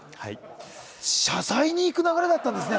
謝罪に行く流れだったんですね。